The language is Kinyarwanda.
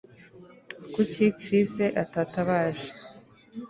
Kuki Chris atatabaje